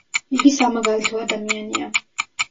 იგი სამაგალითო ადამიანია.